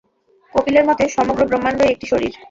কপিলের মতে সমগ্র ব্রহ্মাণ্ডই একটি শরীর।